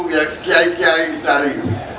yang kiai kiai dicari